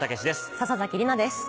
笹崎里菜です。